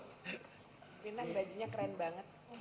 pimpinan bajunya keren banget